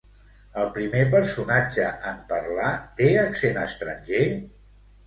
El primer personatge en parlar té accent estranger?